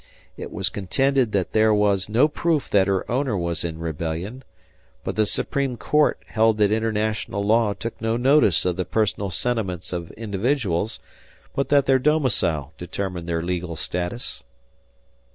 It was contended that there was no proof that her owner was in rebellion. But the Supreme Court held that international law took no notice of the personal sentiments of individuals, but that their domicile determined their legal status.